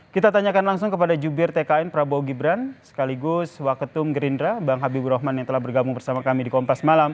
kita tanyakan langsung kepada jubir tkn prabowo gibran sekaligus waketum gerindra bang habibur rahman yang telah bergabung bersama kami di kompas malam